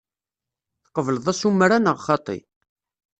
Tqebleḍ asumer-a neɣ xaṭi?